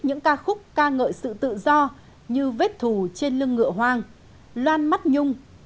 những ca khúc ca ngợi sự tự do như vết thù trên lưng ngựa hoang loan mắt nhung